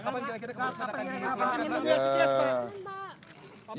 kenapa kira kira keputusan ini